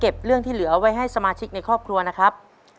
ผลพล้อมไม่ครับ